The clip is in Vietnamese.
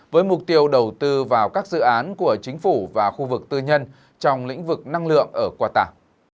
với mục tiêu đầu tư vào các dự án của chính phủ và khu vực tư nhân trong lĩnh vực năng lượng ở qatar